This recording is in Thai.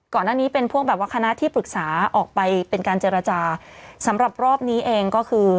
ก่อนหน้านี้เป็นพวกแบบว่าคณะที่ปรึกษาออกไปเป็นการเจรจาสำหรับรอบนี้เองก็คือ